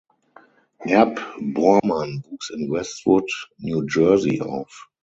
Herb Bormann wuchs in Westwood (New Jersey) auf.